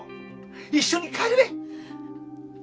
一緒に帰れ。